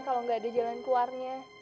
kalo gak ada jalan keluarnya